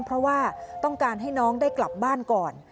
เพราะว่าต้องการให้น้องได้กลับบ้านก่อน